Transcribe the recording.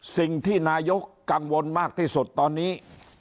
สิ่งที่นายกกังวลมากที่สุดตอนนี้